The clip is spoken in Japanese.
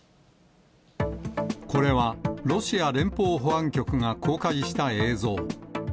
これは、ロシア連邦保安局が公開した映像。